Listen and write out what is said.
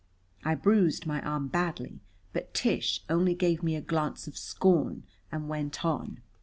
I bruised my arm badly, but Tish only gave me a glance of scorn and went on.